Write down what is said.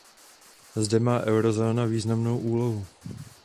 Zde má eurozóna významnou úlohu.